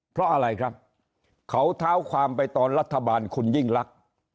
เพราะอะไรครับเขาเท้าความไปตอนรัฐบาลคุณยิ่งลักษณ์